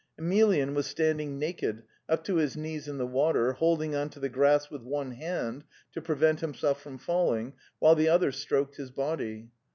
Emelyan was standing naked, up to his knees in the water, holding on to the grass with one hand to prevent himself from falling while the other stroked his body.